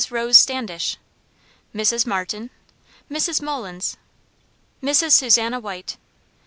Rose Standish. Mrs. Martin. Mrs. Mullins. Mrs. Susanna White.